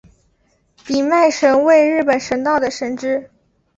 比卖神为日本神道的神只。